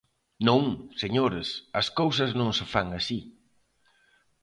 Non, señores, as cousas non se fan así.